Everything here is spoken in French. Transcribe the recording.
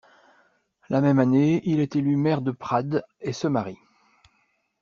La même année, il est élu maire de Prades et se marie.